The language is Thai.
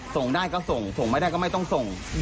ส่งได้ก็ส่งส่งไม่ได้ก็ไม่ต้องส่ง